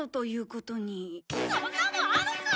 そんなのあるか！